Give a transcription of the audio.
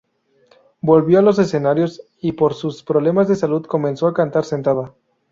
Volvió a los escenarios y por sus problemas de salud comenzó a cantar sentada.